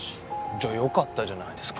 じゃあよかったじゃないですか。